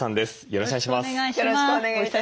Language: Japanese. よろしくお願いします。